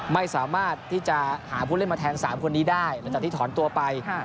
ไม่สามารถที่จะหาผู้เล่นมาแทน๓คนนี้ได้หลังจากที่ถอนตัวไป